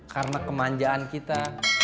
karena kemanjaan kita